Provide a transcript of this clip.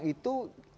dan diitari berapa